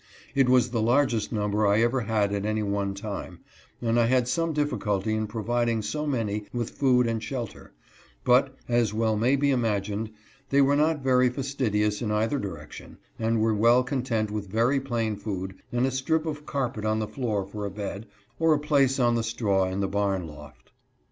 It was the largest number I ever had at any one time, and I had some difficulty in providing so many with food and shelter, but, as may well be imagined, they were not very fastidious in either direction, and were well content with very plain food, and a strip of carpet on the floor for a bed, or a place on the straw in the barn loft.